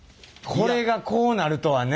これがこうなるとはね！